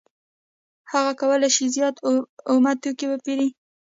هغه کولای شي زیات اومه توکي وپېري